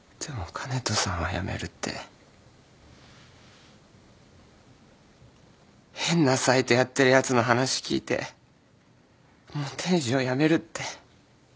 香音人さんはやめるって変なサイトやってるやつの話聞いてもう天使をやめるって。